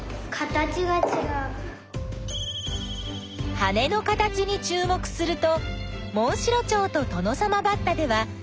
羽の形にちゅう目するとモンシロチョウとトノサマバッタでは形がちがう。